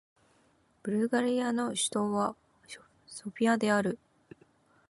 ブルガリアの首都はソフィアである